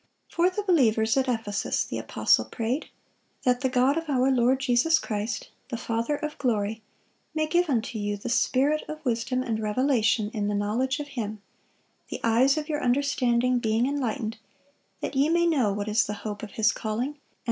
For the believers at Ephesus the apostle prayed, "That the God of our Lord Jesus Christ, the Father of glory, may give unto you the Spirit of wisdom and revelation in the knowledge of Him: the eyes of your understanding being enlightened; that ye may know what is the hope of His calling, and